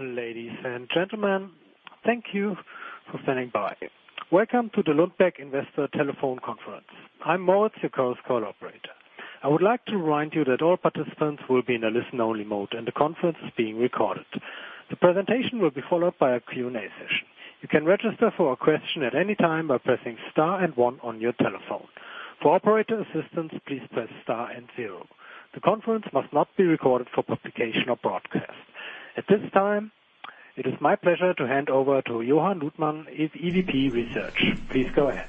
Ladies and gentlemen, thank you for standing by. Welcome to the Lundbeck Investor Telephone Conference. I'm Moritz, your Chorus Call operator. I would like to remind you that all participants will be in a listen-only mode, and the conference is being recorded. The presentation will be followed by a Q&A session. You can register for a question at any time by pressing star and one on your telephone. For operator assistance, please press star and zero. The conference must not be recorded for publication or broadcast. At this time, it is my pleasure to hand over to Johan Luthman, EVP Research. Please go ahead.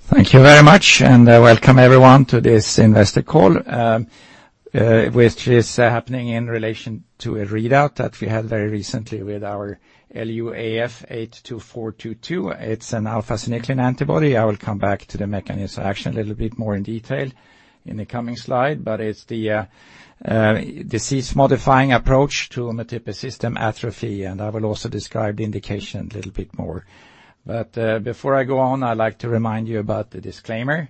Thank you very much, and welcome everyone to this investor call, which is happening in relation to a readout that we had very recently with our Lu AF82422. It's an alpha-synuclein antibody. I will come back to the mechanism of action a little bit more in detail in the coming slide, but it's the disease-modifying approach to multiple system atrophy, and I will also describe the indication a little bit more. But before I go on, I'd like to remind you about the disclaimer,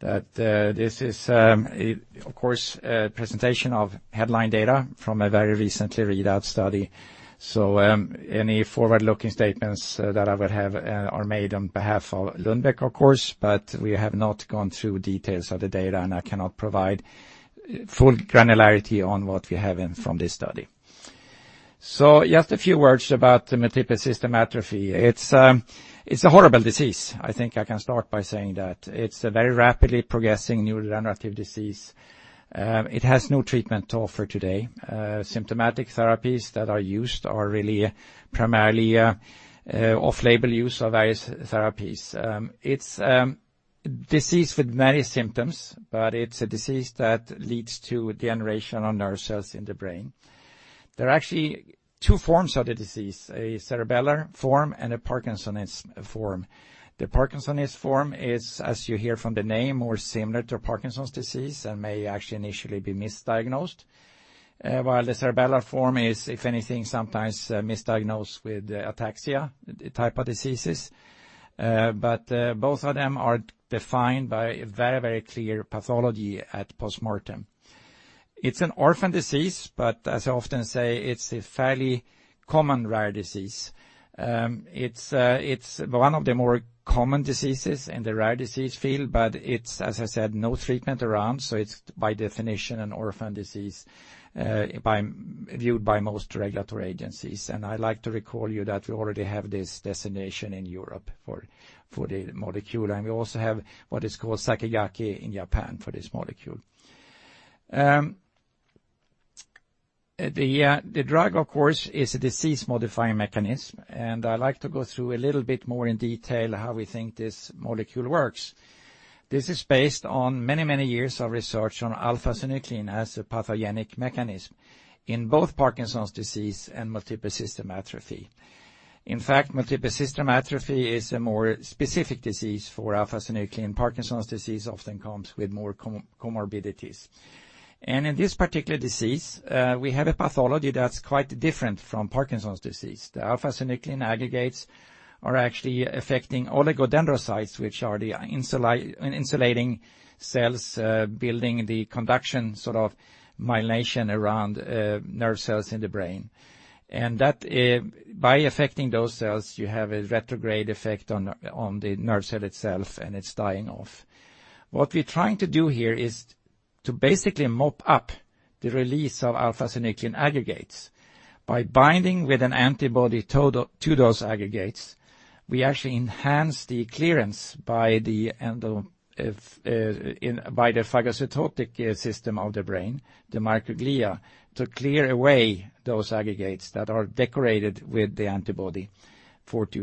that this is, of course, a presentation of headline data from a very recently readout study. So, any forward-looking statements that I would have are made on behalf of Lundbeck, of course, but we have not gone through details of the data, and I cannot provide full granularity on what we have in from this study. So just a few words about Multiple System Atrophy. It's a horrible disease. I think I can start by saying that it's a very rapidly progressing neurodegenerative disease. It has no treatment to offer today. Symptomatic therapies that are used are really primarily off-label use of various therapies. It's disease with many symptoms, but it's a disease that leads to degeneration on nerve cells in the brain. There are actually two forms of the disease, a cerebellar form and a parkinsonian form. The parkinsonian form is, as you hear from the name, more similar to Parkinson's disease and may actually initially be misdiagnosed. While the cerebellar form is, if anything, sometimes misdiagnosed with ataxia type of diseases. But both of them are defined by a very, very clear pathology at postmortem. It's an orphan disease, but as I often say, it's a fairly common, rare disease. It's one of the more common diseases in the rare disease field, but it's, as I said, no treatment around, so it's by definition an orphan disease, viewed by most regulatory agencies. And I'd like to recall you that we already have this designation in Europe for the molecule, and we also have what is called Sakigake in Japan for this molecule. The drug, of course, is a disease-modifying mechanism, and I'd like to go through a little bit more in detail how we think this molecule works. This is based on many, many years of research on alpha-synuclein as a pathogenic mechanism in both Parkinson's disease and multiple system atrophy. In fact, multiple system atrophy is a more specific disease for alpha-synuclein. Parkinson's disease often comes with more comorbidities. And in this particular disease, we have a pathology that's quite different from Parkinson's disease. The alpha-synuclein aggregates are actually affecting oligodendrocytes, which are the insulating cells building the conduction, sort of, myelination around nerve cells in the brain. And that by affecting those cells, you have a retrograde effect on the nerve cell itself, and it's dying off. What we're trying to do here is to basically mop up the release of alpha-synuclein aggregates. By binding with an antibody to those aggregates, we actually enhance the clearance by the phagocytotic system of the brain, the microglia, to clear away those aggregates that are decorated with the antibody. It's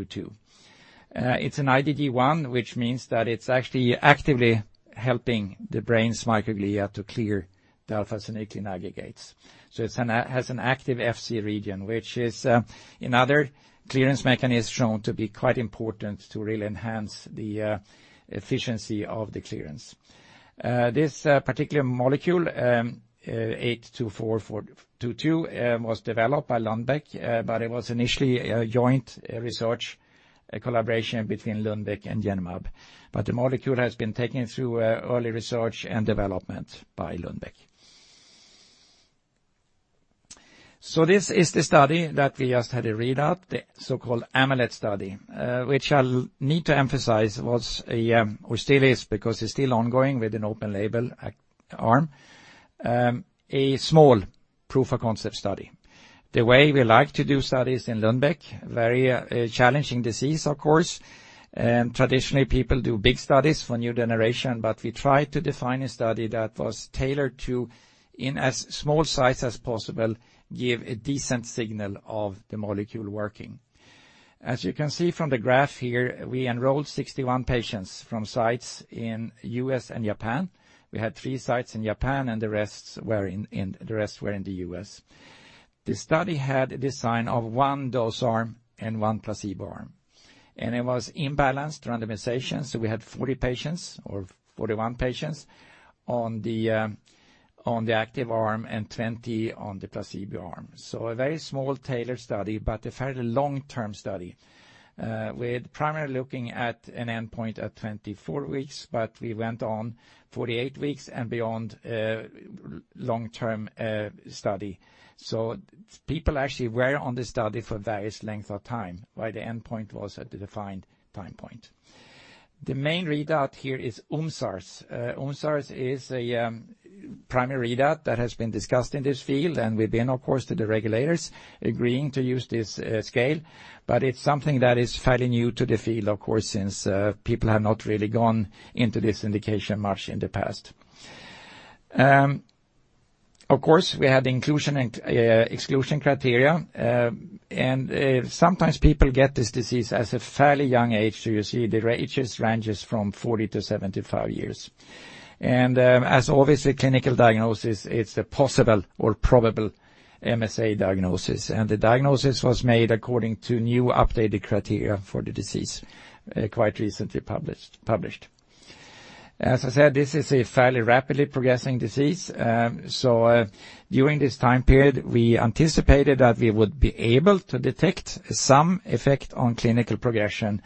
an IgG1, which means that it's actually actively helping the brain's microglia to clear the alpha-synuclein aggregates. So it's an, has an active Fc region, which is another clearance mechanism shown to be quite important to really enhance the efficiency of the clearance. This particular molecule, Lu AF82422, was developed by Lundbeck, but it was initially a joint research, a collaboration between Lundbeck and Genmab. But the molecule has been taken through early research and development by Lundbeck. So this is the study that we just had a readout, the so-called AMLET study, which I'll need to emphasize, was a, or still is, because it's still ongoing with an open label arm, a small proof of concept study. The way we like to do studies in Lundbeck, very challenging disease, of course, traditionally people do big studies for new generation, but we tried to define a study that was tailored to, in as small size as possible, give a decent signal of the molecule working. As you can see from the graph here, we enrolled sixty-one patients from sites in US and Japan. We had three sites in Japan, and the rest were in the US. The study had a design of one dose arm and one placebo arm, and it was imbalanced randomization, so we had forty patients or forty-one patients on the active arm and twenty on the placebo arm. So a very small tailored study, but a fairly long-term study, with primarily looking at an endpoint at twenty-four weeks, but we went on forty-eight weeks and beyond, long-term study. So people actually were on the study for various lengths of time, while the endpoint was at the defined time point. The main readout here is UMSARS. UMSARS is a primary readout that has been discussed in this field, and we've been, of course, to the regulators agreeing to use this scale. But it's something that is fairly new to the field, of course, since people have not really gone into this indication much in the past. Of course, we have the inclusion and exclusion criteria, and sometimes people get this disease at a fairly young age. So you see the ranges from forty to seventy-five years. And, as obviously clinical diagnosis, it's a possible or probable MSA diagnosis, and the diagnosis was made according to new updated criteria for the disease, quite recently published. As I said, this is a fairly rapidly progressing disease. So, during this time period, we anticipated that we would be able to detect some effect on clinical progression,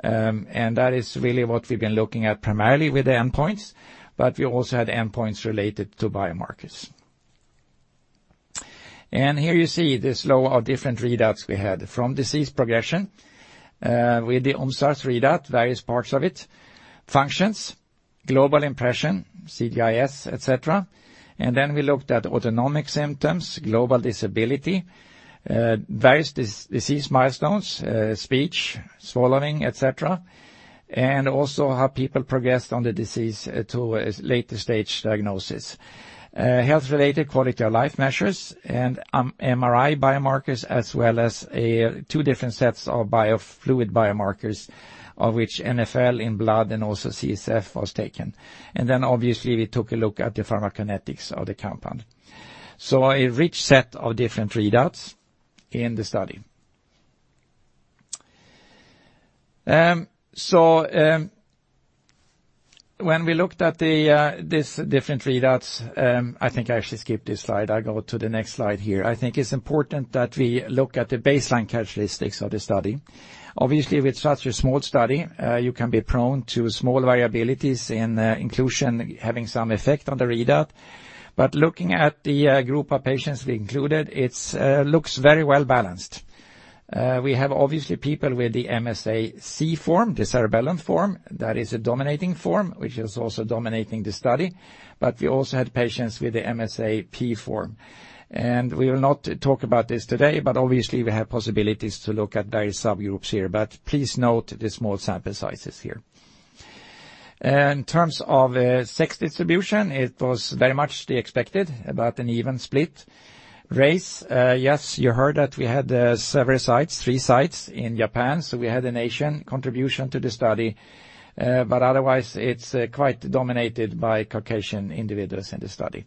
and that is really what we've been looking at primarily with the endpoints, but we also had endpoints related to biomarkers, and here you see this lot of different readouts we had: from disease progression with the UMSARS readout, various parts of it, functions, global impression, CGI-S, et cetera, and then we looked at autonomic symptoms, global disability, various disease milestones, speech, swallowing, et cetera, and also how people progressed on the disease to a later stage diagnosis. Health-related quality of life measures and MRI biomarkers, as well as two different sets of biofluid biomarkers, of which NfL in blood and also CSF was taken. And then obviously, we took a look at the pharmacokinetics of the compound. So a rich set of different readouts in the study. So, when we looked at these different readouts, I think I actually skipped this slide. I'll go to the next slide here. I think it's important that we look at the baseline characteristics of the study. Obviously, with such a small study, you can be prone to small variabilities in inclusion having some effect on the readout. But looking at the group of patients we included, it looks very well balanced. We have obviously people with the MSA-C form, the cerebellum form. That is a dominating form, which is also dominating the study, but we also had patients with the MSA-P form, and we will not talk about this today, but obviously we have possibilities to look at various subgroups here, but please note the small sample sizes here. In terms of sex distribution, it was very much the expected, about an even split. Race, yes, you heard that we had several sites, three sites in Japan, so we had a national contribution to the study, but otherwise, it's quite dominated by Caucasian individuals in the study.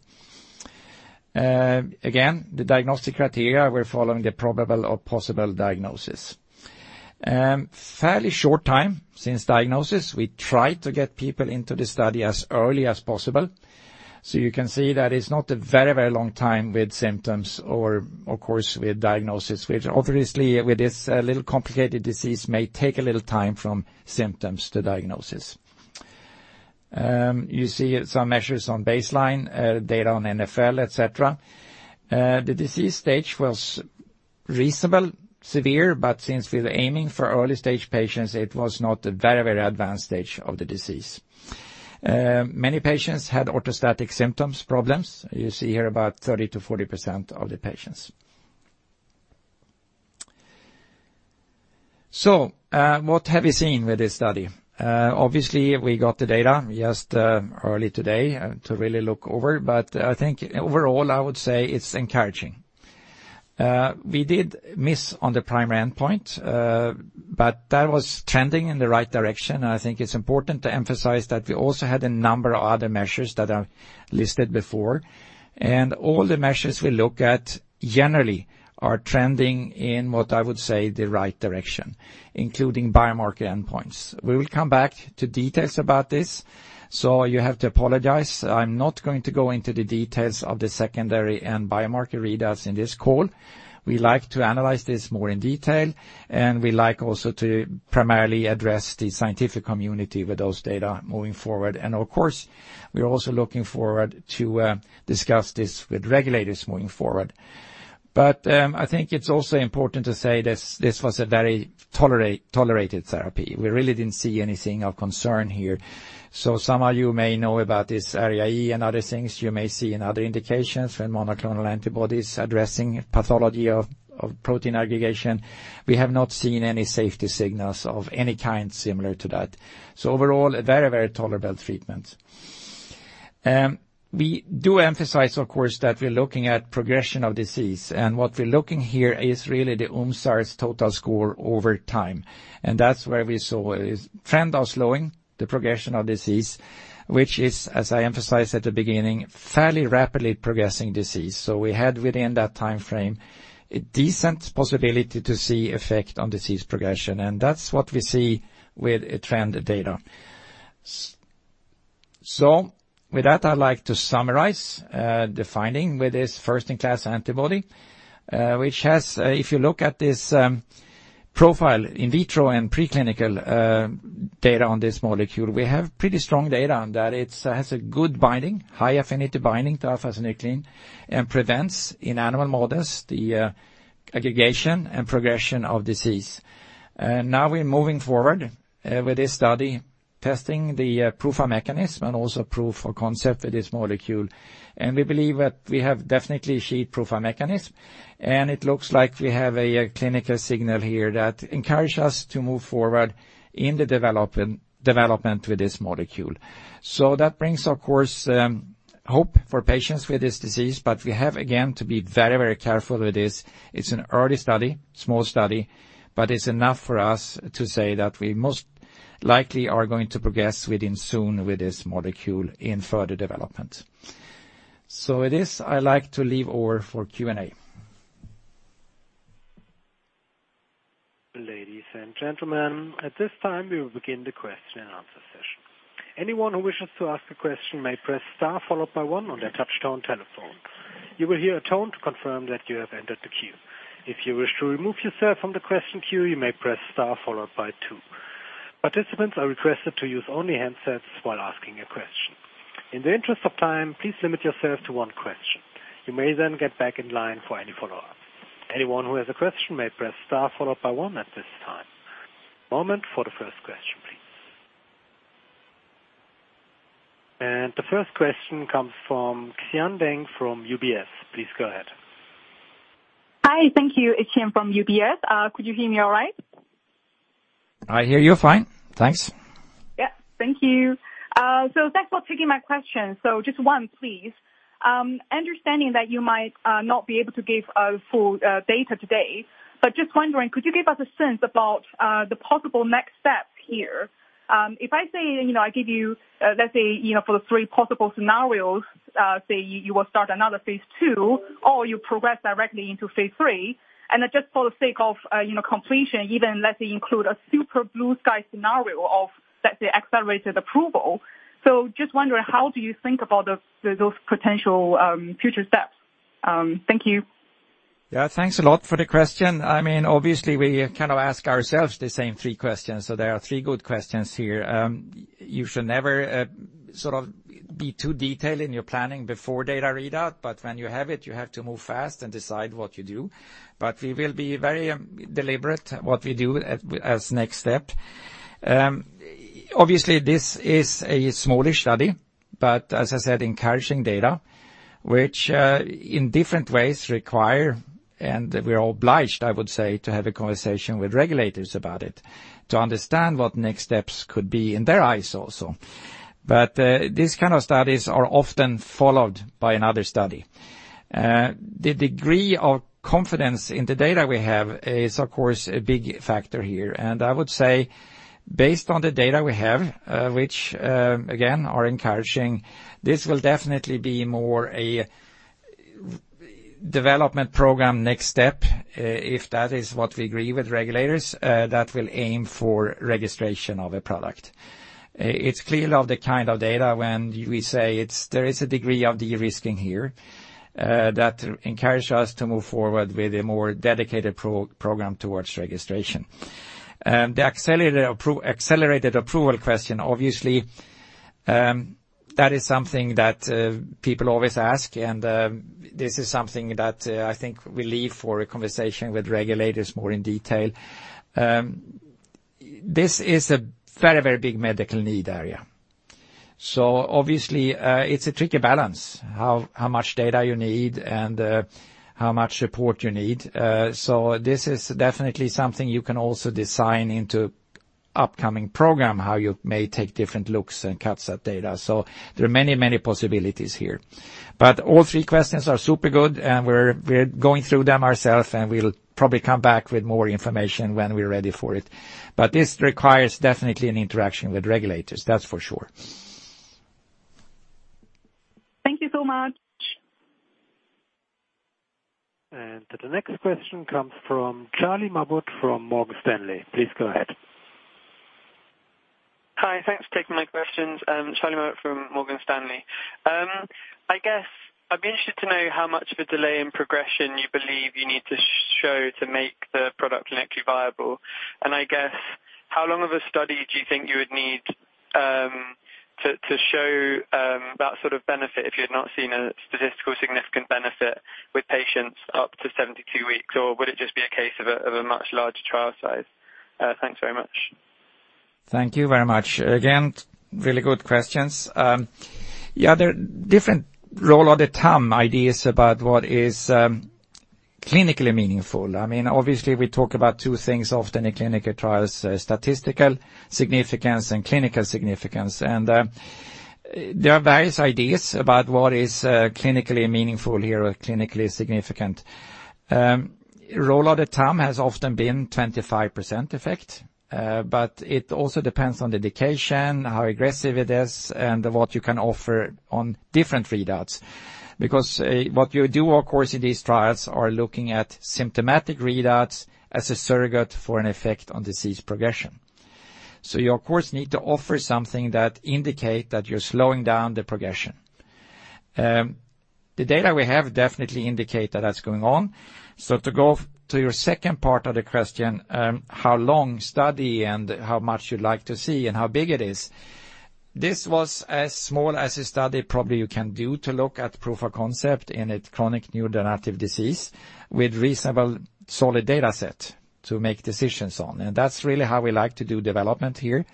Again, the diagnostic criteria, we're following the probable or possible diagnosis. Fairly short time since diagnosis, we tried to get people into the study as early as possible. So you can see that it's not a very, very long time with symptoms or of course, with diagnosis, which obviously, with this, little complicated disease, may take a little time from symptoms to diagnosis. You see some measures on baseline, data on NfL, et cetera. The disease stage was reasonable, severe, but since we were aiming for early-stage patients, it was not a very, very advanced stage of the disease. Many patients had orthostatic symptoms, problems. You see here about 30%-40% of the patients. So, what have we seen with this study? Obviously, we got the data just, early today, to really look over, but I think overall, I would say it's encouraging. We did miss on the primary endpoint, but that was trending in the right direction. And I think it's important to emphasize that we also had a number of other measures that are listed before, and all the measures we look at generally are trending in what I would say, the right direction, including biomarker endpoints. We will come back to details about this, so you have to apologize. I'm not going to go into the details of the secondary and biomarker readouts in this call. We like to analyze this more in detail, and we like also to primarily address the scientific community with those data moving forward. And of course, we are also looking forward to discuss this with regulators moving forward. But I think it's also important to say this, this was a very tolerated therapy. We really didn't see anything of concern here. So some of you may know about this ARIA-E and other things you may see in other indications when monoclonal antibodies addressing pathology of protein aggregation. We have not seen any safety signals of any kind similar to that. So overall, a very, very tolerable treatment. We do emphasize, of course, that we're looking at progression of disease. And what we're looking here is really the UMSARS total score over time. And that's where we saw a trend of slowing the progression of disease, which is, as I emphasized at the beginning, fairly rapidly progressing disease. So we had within that time frame, a decent possibility to see effect on disease progression, and that's what we see with the trend data. So with that, I'd like to summarize the finding with this first-in-class antibody, which has, if you look at this, profile in vitro and preclinical data on this molecule. We have pretty strong data on that. It has a good binding, high-affinity binding to alpha-synuclein, and prevents, in animal models, the aggregation and progression of disease. Now we're moving forward with this study testing the proof of mechanism and also proof of concept for this molecule. We believe that we have definitely solid proof of mechanism, and it looks like we have a clinical signal here that encouraged us to move forward in the development with this molecule. That brings, of course, hope for patients with this disease, but we have, again, to be very, very careful with this. It's an early study, small study, but it's enough for us to say that we most likely are going to progress with MSA soon with this molecule in further development. So with this, I'd like to hand over for Q&A. Ladies and gentlemen, at this time, we will begin the question and answer session. Anyone who wishes to ask a question may press star followed by one on their touchtone telephone. You will hear a tone to confirm that you have entered the queue. If you wish to remove yourself from the question queue, you may press star followed by two. Participants are requested to use only handsets while asking a question. In the interest of time, please limit yourself to one question. You may then get back in line for any follow-up. Anyone who has a question may press star followed by one at this time. One moment for the first question, please. And the first question comes from Xian Deng from UBS. Please go ahead. Hi, thank you. It's Xian from UBS. Could you hear me all right? I hear you fine. Thanks. Yeah. Thank you. So thanks for taking my question. So just one, please. Understanding that you might not be able to give a full data today, but just wondering, could you give us a sense about the possible next steps here? If I say, you know, I give you, let's say, you know, for the three possible scenarios, say you will start another phase II, or you progress directly into phase III , and then just for the sake of, you know, completion, even let's include a super blue sky scenario of let's say, accelerated approval. So just wondering, how do you think about those potential future steps? Thank you. Yeah, thanks a lot for the question. I mean, obviously, we kind of ask ourselves the same three questions. So there are three good questions here. You should never sort of be too detailed in your planning before data readout, but when you have it, you have to move fast and decide what you do. But we will be very deliberate what we do as next step. Obviously, this is a smallish study, but as I said, encouraging data, which in different ways require, and we are obliged, I would say, to have a conversation with regulators about it, to understand what next steps could be in their eyes also. But these kind of studies are often followed by another study. The degree of confidence in the data we have is, of course, a big factor here. I would say, based on the data we have, which, again, are encouraging, this will definitely be more a development program next step, if that is what we agree with regulators, that will aim for registration of a product. It's clear from the kind of data when we say it's, there is a degree of de-risking here, that encourage us to move forward with a more dedicated program towards registration. The accelerated approval question, obviously, that is something that people always ask, and this is something that I think we leave for a conversation with regulators more in detail. This is a very, very big medical need area. Obviously, it's a tricky balance, how much data you need and how much support you need. So this is definitely something you can also design into upcoming program, how you may take different looks and cuts at data. So there are many, many possibilities here. But all three questions are super good, and we're going through them ourselves, and we'll probably come back with more information when we're ready for it. But this requires definitely an interaction with regulators, that's for sure. Thank you so much. The next question comes from Charlie Mabbutt from Morgan Stanley. Please go ahead. Hi, thanks for taking my questions. Charlie Mabbutt from Morgan Stanley. I guess I'd be interested to know how much of a delay in progression you believe you need to show to make the product clinically viable. And I guess, how long of a study do you think you would need to show that sort of benefit if you had not seen a statistical significant benefit with patients up to seventy-two weeks? Or would it just be a case of a much larger trial size? Thanks very much. Thank you very much. Again, really good questions. Yeah, there are different rule of the thumb ideas about what is clinically meaningful. I mean, obviously, we talk about two things often in clinical trials, statistical significance and clinical significance, and there are various ideas about what is clinically meaningful here or clinically significant. Rule of the thumb has often been 25% effect, but it also depends on the indication, how aggressive it is, and what you can offer on different readouts. Because what you do, of course, in these trials are looking at symptomatic readouts as a surrogate for an effect on disease progression, so you, of course, need to offer something that indicate that you're slowing down the progression. The data we have definitely indicate that that's going on. So to go to your second part of the question, how long study and how much you'd like to see and how big it is? This was as small as a study probably you can do to look at proof of concept in a chronic neurodegenerative disease with reasonable solid data set to make decisions on, and that's really how we like to do development here.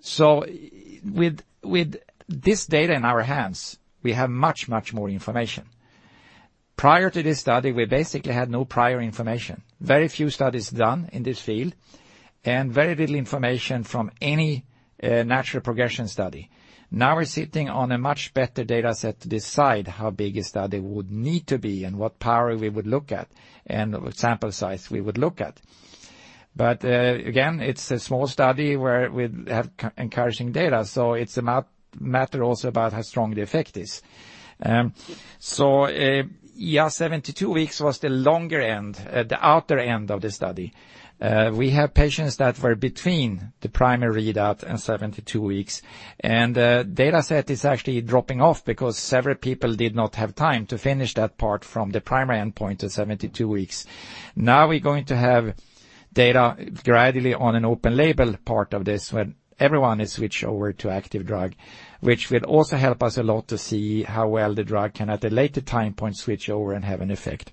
So with this data in our hands, we have much, much more information. Prior to this study, we basically had no prior information. Very few studies done in this field, and very little information from any natural progression study. Now we're sitting on a much better data set to decide how big a study would need to be and what power we would look at, and what sample size we would look at. But again, it's a small study where we have encouraging data, so it's a matter also about how strong the effect is. So yeah, 72 weeks was the longer end, the outer end of the study. We have patients that were between the primary readout and 72 weeks, and the data set is actually dropping off because several people did not have time to finish that part from the primary endpoint to 72 weeks. Now we're going to have data gradually on an open label part of this, when everyone is switched over to active drug, which will also help us a lot to see how well the drug can, at a later time point, switch over and have an effect.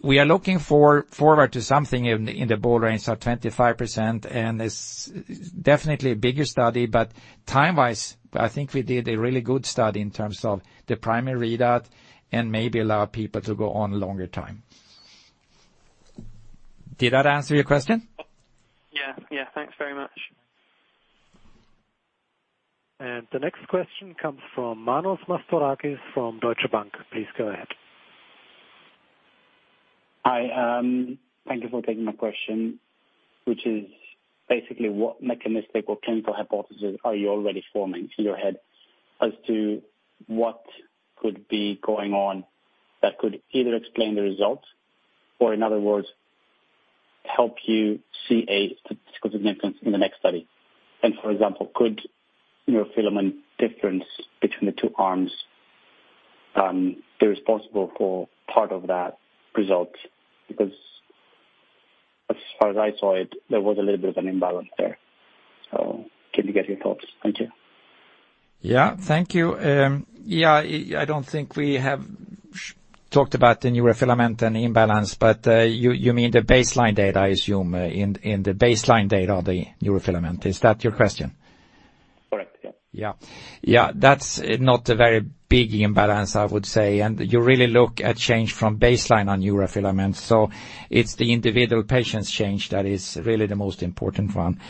We are looking forward to something in the ballpark range of 25%, and it's definitely a bigger study, but time-wise, I think we did a really good study in terms of the primary readout and maybe allow people to go on longer time. Did that answer your question? Yeah. Yeah, thanks very much. And the next question comes from Manos Mavrikakis from Deutsche Bank. Please go ahead. Hi, thank you for taking my question, which is basically what mechanistic or clinical hypothesis are you already forming in your head as to what could be going on that could either explain the results, or in other words, help you see a statistical significance in the next study? And, for example, could neurofilament difference between the two arms, be responsible for part of that result? Because as far as I saw it, there was a little bit of an imbalance there. So can we get your thoughts? Thank you. Yeah, thank you. Yeah, I don't think we have talked about the neurofilament and imbalance, but you mean the baseline data, I assume, in the baseline data of the neurofilament. Is that your question? Correct. Yeah. Yeah. Yeah, that's not a very big imbalance, I would say. And you really look at change from baseline on neurofilament. So it's the individual patients change that is really the most important one.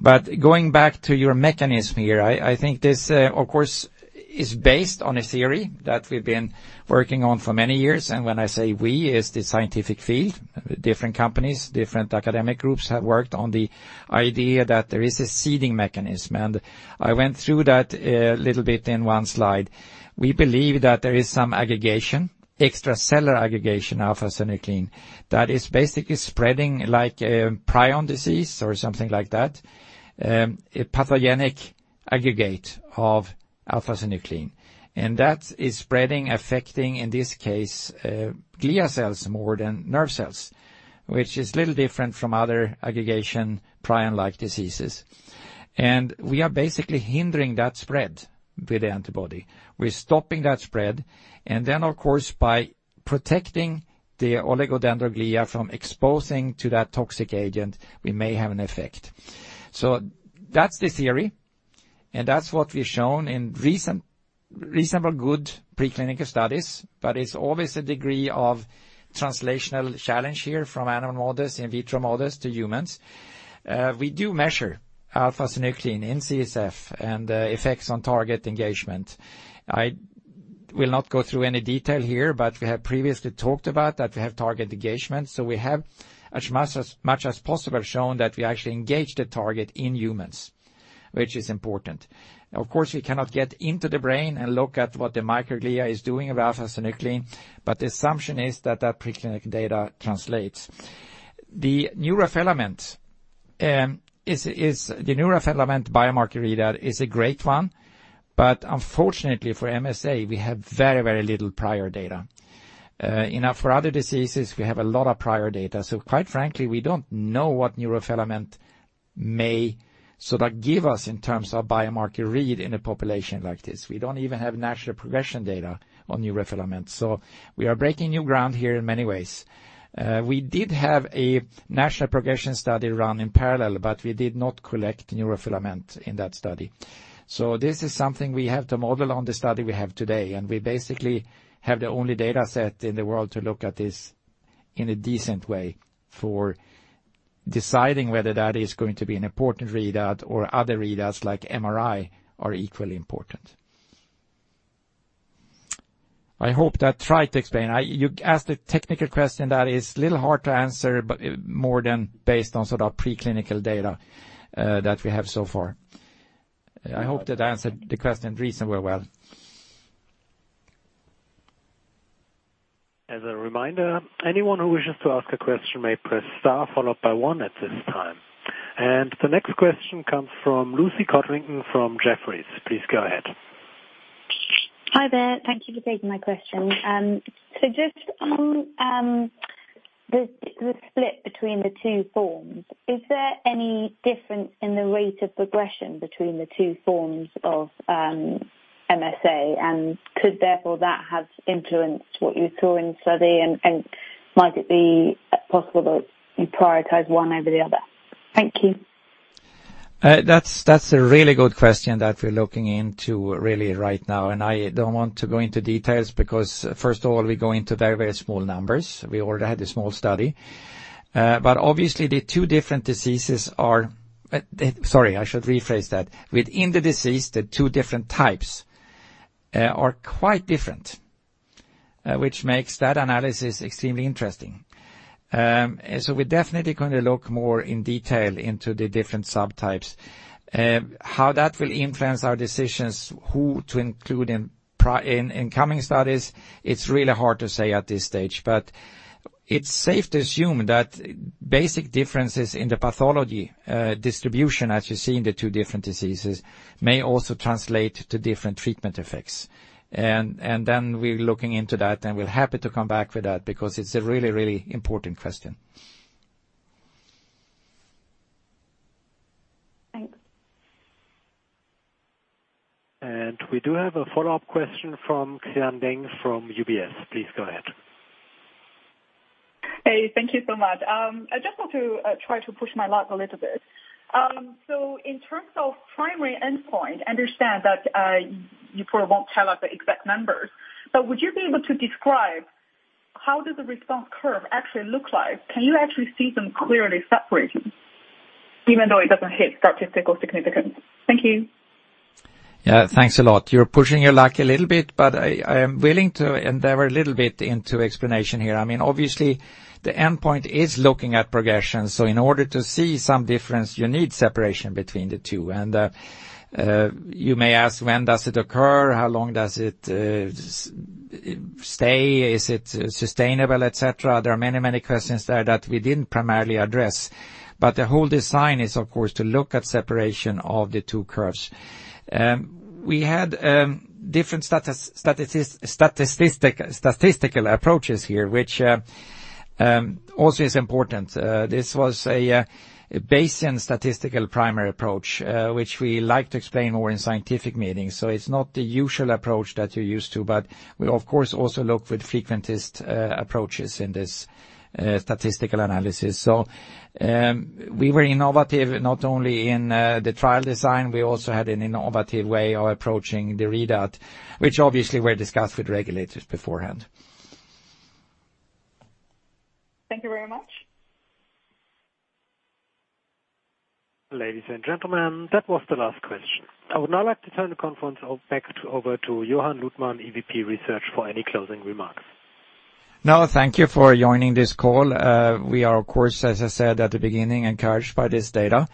But going back to your mechanism here, I think this, of course, is based on a theory that we've been working on for many years. And when I say we, it's the scientific field, different companies, different academic groups have worked on the idea that there is a seeding mechanism, and I went through that little bit in one slide. We believe that there is some aggregation, extracellular aggregation, alpha-synuclein, that is basically spreading like a prion disease or something like that, a pathogenic aggregate of alpha-synuclein. And that is spreading, affecting, in this case, glial cells more than nerve cells, which is a little different from other aggregation prion-like diseases. We are basically hindering that spread with the antibody. We're stopping that spread, and then, of course, by protecting the oligodendrocyte from exposure to that toxic agent, we may have an effect. That's the theory, and that's what we've shown in recent, reasonably good preclinical studies. It's always a degree of translational challenge here from animal models, in vitro models to humans. We do measure alpha-synuclein in CSF and the effects on target engagement. I will not go through any detail here, but we have previously talked about that we have target engagement, so we have as much, as much as possible, shown that we actually engage the target in humans, which is important. Of course, we cannot get into the brain and look at what the microglia is doing with alpha-synuclein, but the assumption is that that preclinical data translates. The neurofilament biomarker reader is a great one, but unfortunately for MSA, we have very, very little prior data. You know, for other diseases, we have a lot of prior data. So quite frankly, we don't know what neurofilament may sort of give us in terms of biomarker read in a population like this. We don't even have natural progression data on neurofilament. So we are breaking new ground here in many ways. We did have a natural progression study run in parallel, but we did not collect neurofilament in that study. So this is something we have to model on the study we have today, and we basically have the only data set in the world to look at this in a decent way for deciding whether that is going to be an important readout or other readouts like MRI are equally important. I hope that tried to explain. You asked a technical question that is a little hard to answer, but more than based on sort of preclinical data that we have so far. I hope that answered the question reasonably well. As a reminder, anyone who wishes to ask a question may press star followed by one at this time. And the next question comes from Lucy Codrington from Jefferies. Please go ahead.... Hi there. Thank you for taking my question. So just on the split between the two forms, is there any difference in the rate of progression between the two forms of MSA? And could therefore that have influenced what you saw in the study, and might it be possible that you prioritize one over the other? Thank you. That's a really good question that we're looking into really right now. And I don't want to go into details because first of all, we go into very, very small numbers. We already had a small study. But obviously the two different diseases are, sorry, I should rephrase that. Within the disease, the two different types are quite different, which makes that analysis extremely interesting. So we're definitely going to look more in detail into the different subtypes. How that will influence our decisions, who to include in in coming studies, it's really hard to say at this stage. But it's safe to assume that basic differences in the pathology, distribution, as you see in the two different diseases, may also translate to different treatment effects. And, and then we're looking into that, and we're happy to come back with that because it's a really, really important question. Thanks. And we do have a follow-up question from Xian Deng from UBS. Please go ahead. Hey, thank you so much. I just want to try to push my luck a little bit, so in terms of primary endpoint, I understand that you probably won't tell us the exact numbers, but would you be able to describe how does the response curve actually look like? Can you actually see them clearly separated, even though it doesn't hit statistical significance? Thank you. Yeah, thanks a lot. You're pushing your luck a little bit, but I am willing to endeavor a little bit into explanation here. I mean, obviously, the endpoint is looking at progression, so in order to see some difference, you need separation between the two, and you may ask, when does it occur? How long does it stay? Is it sustainable, et cetera? There are many, many questions there that we didn't primarily address, but the whole design is, of course, to look at separation of the two curves. We had different statistical approaches here, which also is important. This was a Bayesian statistical primary approach, which we like to explain more in scientific meetings. So it's not the usual approach that you're used to, but we, of course, also look with frequentist approaches in this statistical analysis. So we were innovative not only in the trial design, we also had an innovative way of approaching the readout, which obviously were discussed with regulators beforehand. Thank you very much. Ladies and gentlemen, that was the last question. I would now like to turn the conference call back to... over to Johan Luthman, EVP Research for any closing remarks. Now, thank you for joining this call. We are, of course, as I said at the beginning, encouraged by this data.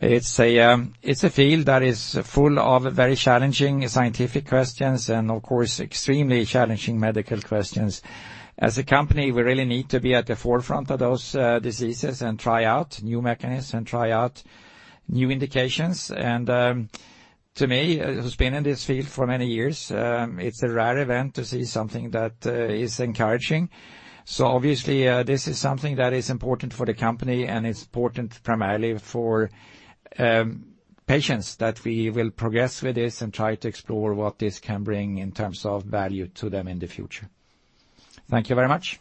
It's a, it's a field that is full of very challenging scientific questions and, of course, extremely challenging medical questions. As a company, we really need to be at the forefront of those, diseases and try out new mechanisms and try out new indications, and to me, who's been in this field for many years, it's a rare event to see something that, is encouraging, so obviously, this is something that is important for the company, and it's important primarily for, patients that we will progress with this and try to explore what this can bring in terms of value to them in the future. Thank you very much.